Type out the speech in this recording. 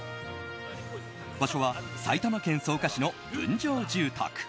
場所は埼玉県草加市の分譲住宅。